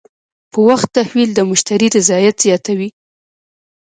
په وخت تحویل د مشتری رضایت زیاتوي.